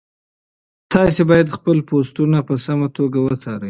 تاسي باید خپل پوسټونه په سمه توګه وڅارئ.